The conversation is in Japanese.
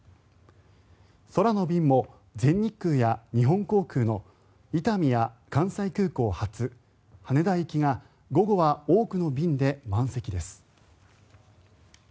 空の便も全日空や日本航空の伊丹や関西空港発羽田行きが午後は多くの便で満席です。